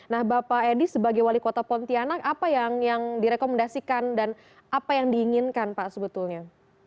nah bapak edi sebagai wali kota pontianak apa yang direkomendasikan dan apa yang diinginkan pak sebetulnya